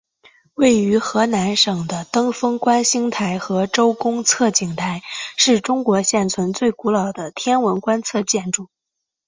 位于河南省的登封观星台和周公测景台是中国现存最古老的天文观测建筑。